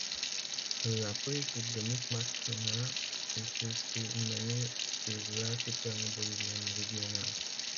La politique du mitmaqkuna fut surtout menée sur l'altiplano bolivien méridional.